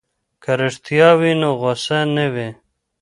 که رښتیا وي نو غوسه نه وي.